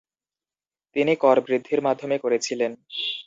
তিনি কর বৃদ্ধির মাধ্যমে করেছিলেন।